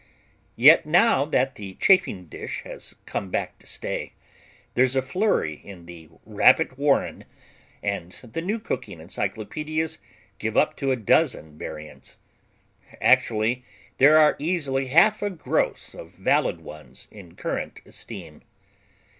Yet now that the chafing dish has come back to stay, there's a flurry in the Rabbit warren and the new cooking encyclopedias give up to a dozen variants. Actually there are easily half a gross of valid ones in current esteem.